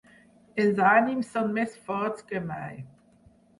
Els ànims són més forts que mai.